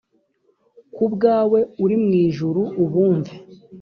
ku bwawe uri mu ijuru ubumve